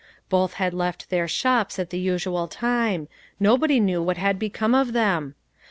Both had left their shops at the usual time; nobody knew what had become of them.